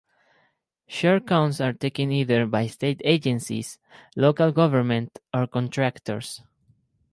Short counts are taken either by state agencies, local government, or contractors.